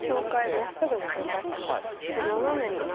まっすぐな境界線がちょっと斜めになって。